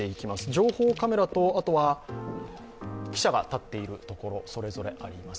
情報カメラと記者が立っているところがそれぞれあります。